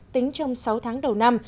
tính trong sáu tháng đầu năm